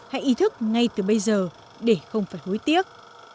hãy ý thức ngay từ bây giờ để không phải gối tiếc